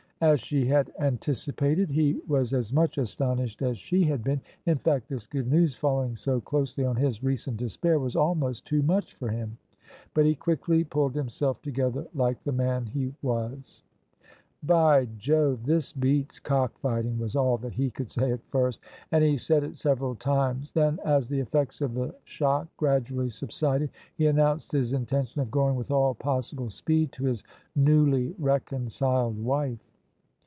As she had anticipated, he was as much astonished as she had been; in fact this good news — following so closely on his recent despair — ^was almost too much for him. But he quickly pulled himself together like the man he was, By Jove! this beats cockfighting! " was all that he could say at first: and he said it several times. Then, as the e£Eects of the shock gradually subsided, he announced his intention of going with all possible speed to his newly reconciled wife.